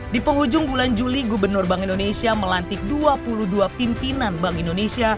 di penghujung bulan juli gubernur bank indonesia melantik dua puluh dua pimpinan bank indonesia